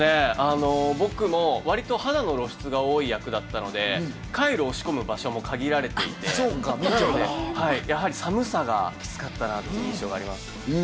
僕もわりと肌の露出が多い役だったのでカイロを仕込む場所も限られていて、やはり寒さがきつかったなという印象があります。